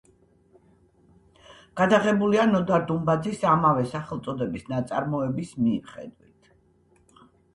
გადაღებულია ნოდარ დუმბაძის ამავე სახელწოდების ნაწარმოების მიხედვით.